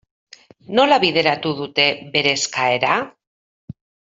Nola bideratu dute bere eskaera?